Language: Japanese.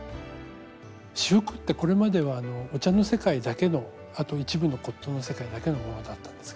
仕覆ってこれまではお茶の世界だけのあと一部の骨とうの世界だけのものだったんですけど。